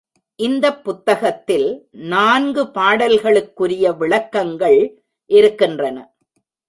இந்தப் புத்தகத்தில் நான்கு பாடல்களுக்குரிய விளக்கங்கள் இருக்கின்றன.